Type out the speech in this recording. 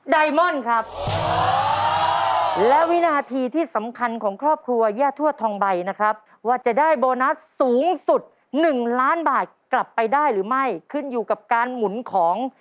ไดมอนด์ครับและวินาทีที่สำคัญของครอบครัวย่าทวดทองใบนะครับว่าจะได้โบนัสสูงสุด๑ล้านบาทกลับไปได้หรือไม่ขึ้นอยู่กับการหมุนของ